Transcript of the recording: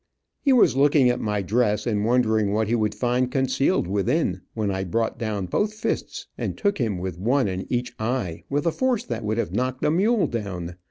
He was looking at my dress, and wondering what he would find concealed within, when I brought down both fists and took him with one in each eye, with a force that would have knocked a mule down.